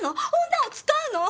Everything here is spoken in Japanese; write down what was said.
女を使うの？